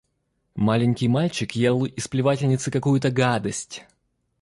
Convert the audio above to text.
Маленький мальчик ел из плевательницы какую-то гадость.